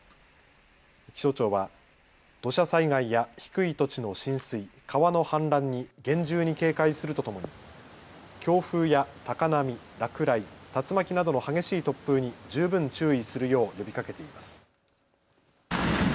気象庁は土砂災害や低い土地の浸水、川の氾濫に厳重に警戒するとともに強風や高波、落雷、竜巻などの激しい突風に十分注意するよう呼びかけています。